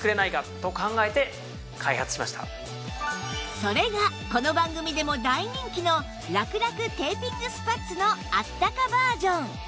それがこの番組でも大人気のらくらくテーピングスパッツのあったかバージョン